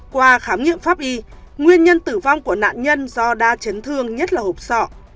qua khám nghiệm pháp y nguyên nhân tử vong của nạn nhân do đa chấn thương nhất là hộp sọ